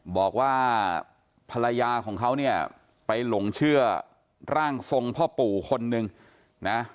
บอกว่าภรรยาของเขาเนี่ยไปหลงเชื่อร่างทรงพ่อปู่คนนึงนะ